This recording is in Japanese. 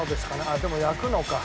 あっでも焼くのか。